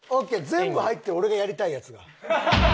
全部入ってる俺がやりたいやつが。